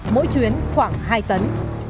mỗi chuyến khoảng hai tấn